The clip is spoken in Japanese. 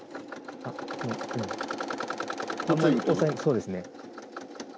そうですね。